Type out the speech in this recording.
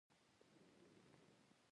زيات خلک اوچت پۀ غرونو کښې ژوند کوي ـ